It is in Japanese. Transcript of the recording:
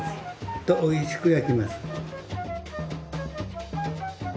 おいしく焼けます。